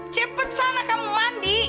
cepet sana kamu mandi